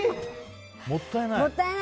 もったいない！